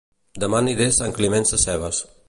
Dema aniré a Sant Climent Sescebes